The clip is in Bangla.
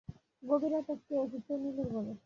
গভীর রাতে কে এসেছে নীলুর ঘরে?